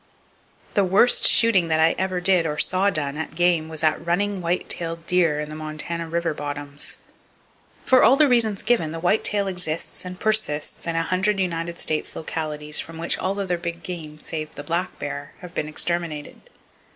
The worst shooting that I ever did or saw done at game was at running white tailed deer, in the Montana river bottoms. For the reasons given, the white tail exists and persists in a hundred United States localities from which all other big game save the black bear have been exterminated.